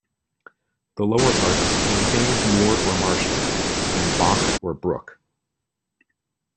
The lower part is canting, Moor or marshland, and Bach or brook.